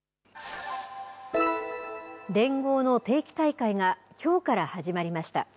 連合の定期大会がきょうから始まりました。